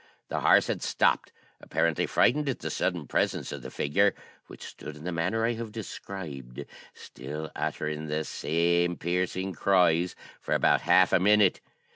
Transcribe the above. The horse had stopped, apparently frightened at the sudden presence of the figure, which stood in the manner I have described, still uttering the same piercing cries, for about half a minute.